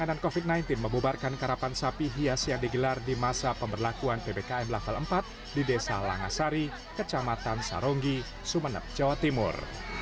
penanganan covid sembilan belas membubarkan karapan sapi hias yang digelar di masa pemberlakuan ppkm level empat di desa langasari kecamatan saronggi sumeneb jawa timur